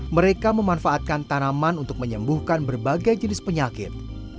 mereka memanfaatkan tanaman untuk menyembuhkan berbagai jenis penyakit